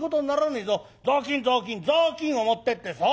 雑巾雑巾雑巾を持ってってそう！